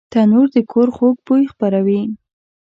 تنور د کور خوږ بوی خپروي